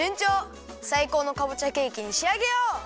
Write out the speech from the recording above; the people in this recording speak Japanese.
さいこうのかぼちゃケーキにしあげよう！